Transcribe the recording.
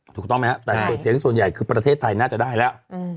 ถูกต้องไหมครับแต่เสียงส่วนใหญ่คือประเทศไทยน่าจะได้แล้ว